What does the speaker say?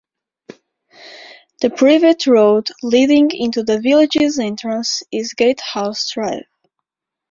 The private road leading into the village's entrance is Gatehouse Drive.